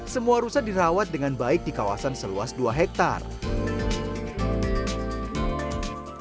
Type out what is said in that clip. semua rusa dirawat dengan baik di kawasan seluas dua hektare